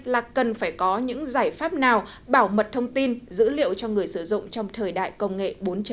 là cần phải có những giải pháp nào bảo mật thông tin dữ liệu cho người sử dụng trong thời đại công nghệ bốn